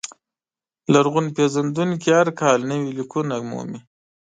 لرغون پېژندونکي هر کال نوي لیکونه مومي.